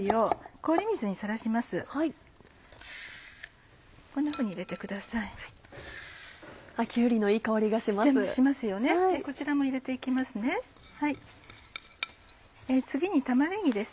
こちらも入れて行きます。